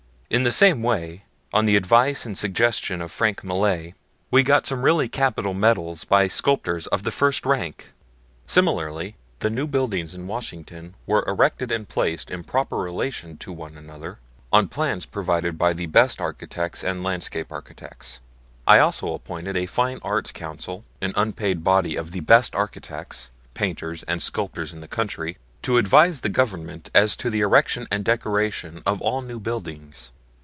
In the same way, on the advice and suggestion of Frank Millet, we got some really capital medals by sculptors of the first rank. Similarly, the new buildings in Washington were erected and placed in proper relation to one another, on plans provided by the best architects and landscape architects. I also appointed a Fine Arts Council, an unpaid body of the best architects, painters, and sculptors in the country, to advise the Government as to the erection and decoration of all new buildings.